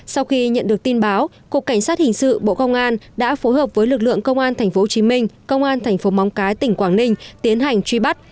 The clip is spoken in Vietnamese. sau khi nhận được tin báo cục cảnh sát hình sự bộ công an đã phối hợp với lực lượng công an tp hcm công an thành phố móng cái tỉnh quảng ninh tiến hành truy bắt